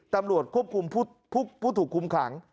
ตำรวจควบคุมผู้ถูกคุมขัง